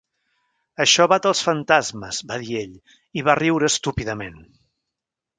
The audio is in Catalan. "Això bat els fantasmes", va dir ell i va riure estúpidament.